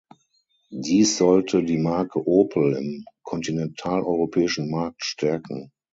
Dies sollte die Marke Opel im kontinentaleuropäischen Markt stärken.